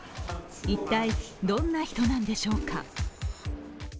一体、どんな人なんでしょうか。